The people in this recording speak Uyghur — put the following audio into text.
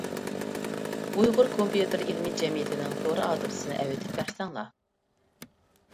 ئۇيغۇر كومپيۇتېر ئىلمى جەمئىيىتىنىڭ تور ئادرېسىنى ئەۋەتىپ بەرسەڭلار.